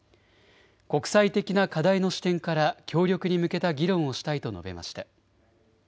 国際的な課題の視点から協力に向けた議論をしたいと述べました。